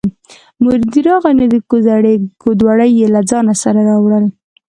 مرید چې راغی نو د کوزړۍ کودوړي یې له ځانه سره راوړل.